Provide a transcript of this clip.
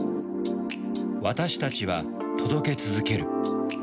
私たちは届け続ける。